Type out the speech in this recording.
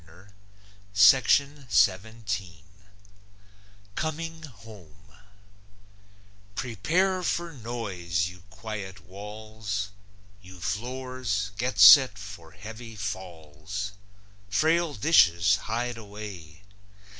COMING HOME Prepare for noise, you quiet walls! You floors, get set for heavy falls! Frail dishes, hide away!